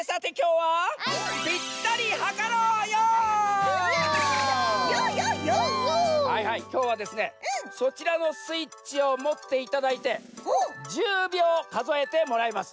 はいはいきょうはですねそちらのスイッチをもっていただいて１０秒かぞえてもらいます。